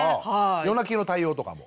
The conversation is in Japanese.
夜泣きの対応とかも？